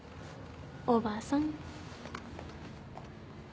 おばさん。